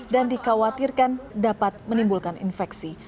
dan dikhawatirkan dapat menimbulkan infeksi